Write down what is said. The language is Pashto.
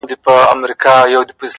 ته مي کله هېره کړې يې’